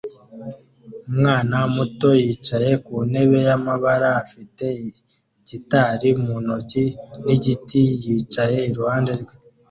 Umwana muto yicaye ku ntebe y'amabara afite gitari mu ntoki n'igitabo yicaye iruhande rwe